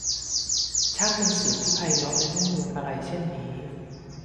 ช่างเป็นเสียงที่ไพเราะและนุ่มนวลอะไรเช่นนี้ !